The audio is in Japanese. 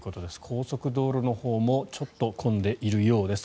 高速道路のほうもちょっと混んでいるようです。